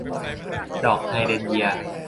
ดอกไฮเดรนเยีย